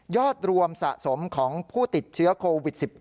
รวมสะสมของผู้ติดเชื้อโควิด๑๙